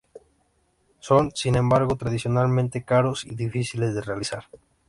Son, sin embargo, tradicionalmente caros y difíciles de realizar.